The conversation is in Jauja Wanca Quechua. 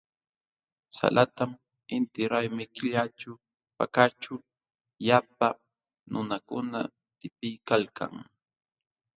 Salatam intiraymi killaćhu Pakaćhu llapa nunakuna tipiykalkan.